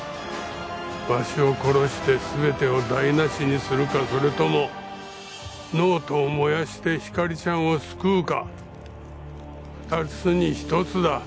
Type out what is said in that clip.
わしを殺してすべてを台なしにするかそれともノートを燃やしてひかりちゃんを救うか二つに一つだ。